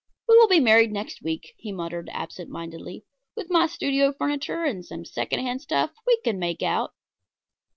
"We will be married next week," he muttered absent mindedly. "With my studio furniture and some second hand stuff we can make out."